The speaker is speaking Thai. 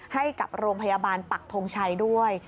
ให้กับโรงพยาบาลปักทงชัยด้วย